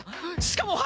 しかも裸！